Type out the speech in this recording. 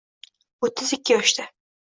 O’ttiz ikki yoshda